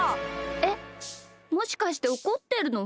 えっもしかしておこってるの？